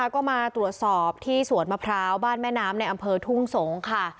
ก็มาตรวจสอบที่สวนมะพร้าวบ้านแม่น้ำในอำเภอทุ่งสงศ์ค่ะ